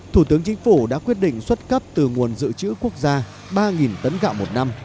thủ tướng chính phủ đã quyết định xuất cấp từ nguồn dự trữ quốc gia ba tấn gạo một năm